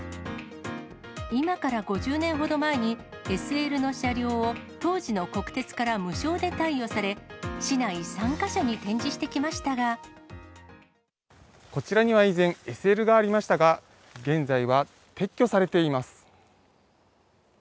今から５０年ほど前に、ＳＬの車両を当時の国鉄から無償で貸与され、市内３か所に展示しこちらには以前、ＳＬがありましたが、現在は撤去されています。